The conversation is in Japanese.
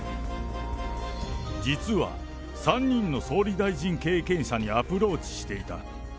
実は３人の総理大臣経験者にアプローチしていた。